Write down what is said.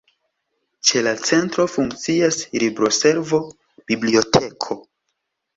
Ĉe la Centro funkcias libroservo, biblioteko.